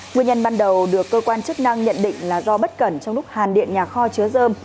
nguyên nhân ban đầu được cơ quan chức năng nhận định là do bất cẩn trong lúc hàn điện nhà kho chứa dơm